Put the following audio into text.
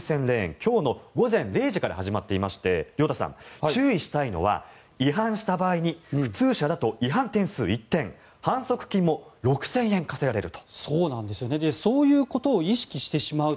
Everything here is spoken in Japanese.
今日の午前０時から始まっていまして亮太さん、注意したいのは違反した場合に普通車だと違反点数１点反則金も６０００円科せられると。